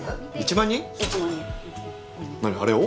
何あれを？